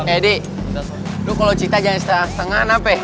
edi lu kalau cerita jangan setengah setengah nappe